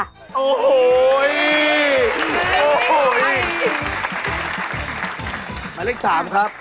หมายเลขสามครับ